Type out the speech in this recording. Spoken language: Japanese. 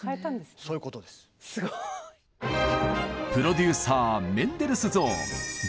すごい！プロデューサーメンデルスゾーン